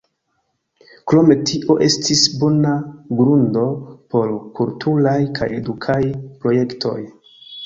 Krom tio estis bona grundo por kulturaj kaj edukaj projektoj.